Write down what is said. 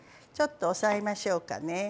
ちょっと押さえましょうかね。